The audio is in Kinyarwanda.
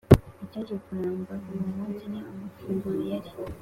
icyaje kuramba uwo munsi ni amafunguro yari